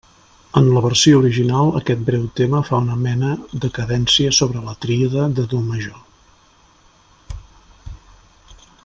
En la versió original, aquest breu tema fa una mena de cadència sobre la tríada de do major.